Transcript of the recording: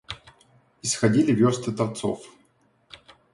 Исходили вёрсты торцов.